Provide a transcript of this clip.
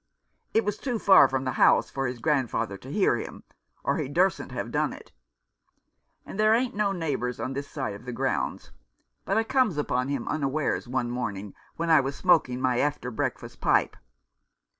It was too far from the house for his grandfather to hear him, or he dursent have done it, and there ain't no neighbours on this side of the grounds ; but I comes upon him unawares one morning when I was smoking my after breakfast pipe.